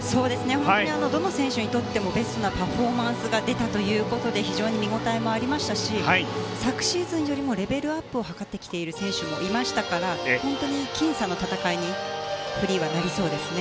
本当にどの選手にとってもベストなパフォーマンスが出たということで非常に見応えもありましたし昨シーズンよりもレベルアップを図ってきている選手もいましたから本当にきん差の戦いにフリーはなりそうですね。